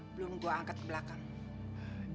belum gua angkat ke belakang